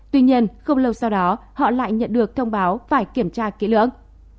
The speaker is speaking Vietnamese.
tuy nhiên không lâu sau đó họ lại nhận được thông báo phải kiểm tra kỹ lưỡng